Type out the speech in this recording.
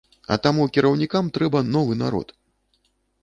А таму кіраўнікам трэба новы народ.